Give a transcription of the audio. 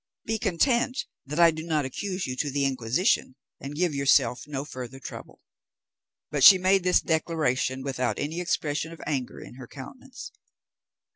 Be content that I do not accuse you to the Inquisition, and give yourself no further trouble." But she made this declaration without any expression of anger in her countenance.